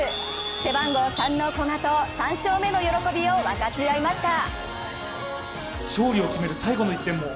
背番号３の古賀と３勝目の喜びを分かち合いました。